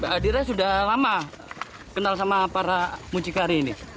aldira sudah lama kenal sama para muncikari ini